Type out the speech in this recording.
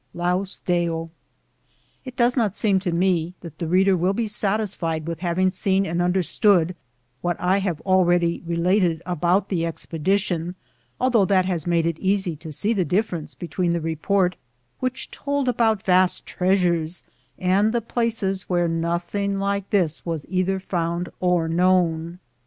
Zaua Deo. It does not seem to me that the reader will be satisfied with having seen and under stood what I have already related about the expedition, although that has made it easy to Bee the difference between the report which told about vast treasures, and the places where nothing like this was either found or known.